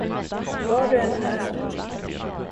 Var du än är.